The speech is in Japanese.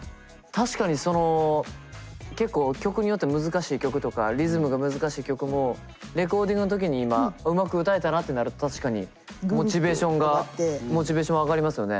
確かにその結構曲によっては難しい曲とかリズムが難しい曲もレコーディングの時に今うまく歌えたなってなると確かにモチベーションがモチベーション上がりますよね。